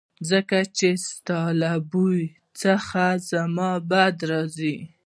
ځکه چې ستا له بوی څخه زما بد راځي